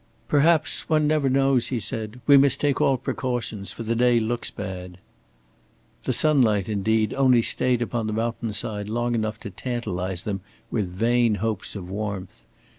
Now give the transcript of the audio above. "Perhaps one never knows," he said. "We must take all precautions, for the day looks bad." The sunlight, indeed, only stayed upon the mountain side long enough to tantalize them with vain hopes of warmth.